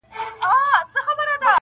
خریدار یې همېشه تر حساب تیر وي -